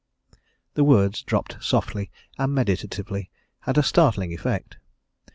The words, dropped softly and meditatively, had a startling effect.